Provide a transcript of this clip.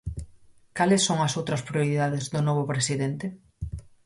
Cales son as outras prioridades do novo presidente?